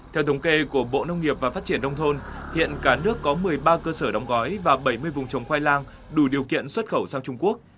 theo thống kê của bộ nông nghiệp và phát triển đông thôn hiện cả nước có một mươi ba cơ sở đóng gói và bảy mươi vùng trồng khoai lang đủ điều kiện xuất khẩu sang trung quốc